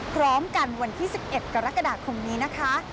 พร้อมกันวันที่๑๑กรกฎาคมนี้นะคะ